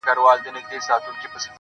چي د زړکي هره تياره مو روښنايي پيدا کړي.